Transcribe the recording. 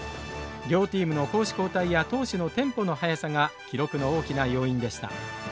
両チームの攻守交代や投手のテンポの速さが記録の大きな要因でした。